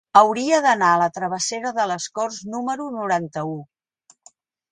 Hauria d'anar a la travessera de les Corts número noranta-u.